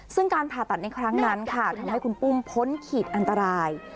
ซึ่งการผ่าตัดในครั้งนั้นค่ะทำให้คุณปุ้มพ้นขีดอันตราย